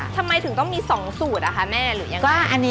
ทำไมถึงต้องมี๒สูตรหรือยังไง